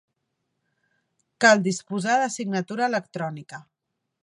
Cal disposar de signatura electrònica.